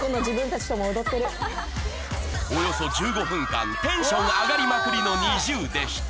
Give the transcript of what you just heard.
およそ１５分間テンション上がりまくりの ＮｉｚｉＵ でした